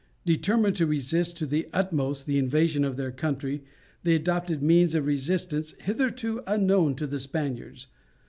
Determined to resist to the utmost the invasion of their country, they adopted means of resistance hitherto unknown to the Spaniards.